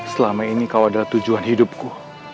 selama ini kau adalah tujuan hidupku